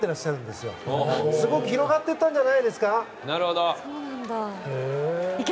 すごく広がっていったんじゃないですか？